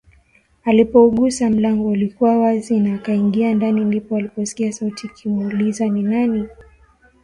Alipougusa mlango ulikuwa wazi na akaingia ndani ndipo aliposikia sauti ikimuuliza ni nani